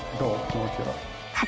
気持ちは。